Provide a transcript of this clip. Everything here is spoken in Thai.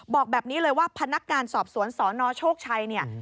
บอกแบบนี้เลยว่าพนักงานสอบสวนสนโชคชัยเนี่ย